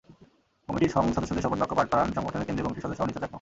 কমিটির সদস্যদের শপথবাক্য পাঠ করান সংগঠনের কেন্দ্রীয় কমিটির সদস্য অনিতা চাকমা।